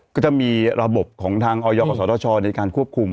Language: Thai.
ก็จะมีระบบของทางอย่างกับสวทชในการควบคุม